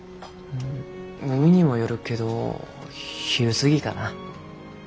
海にもよるけど昼過ぎかな。